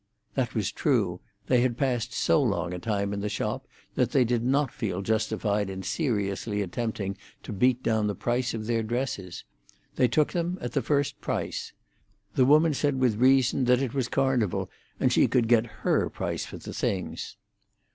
That was true; they had passed so long a time in the shop that they did not feel justified in seriously attempting to beat down the price of their dresses. They took them at the first price. The woman said with reason that it was Carnival, and she could get her price for the things.